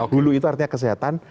hulu itu artinya kesehatan